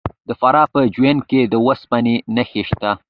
د فراه په جوین کې د وسپنې نښې شته.